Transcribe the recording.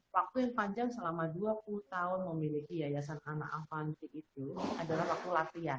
waktu yang panjang selama dua puluh tahun memiliki yayasan anak avanti itu adalah waktu latihan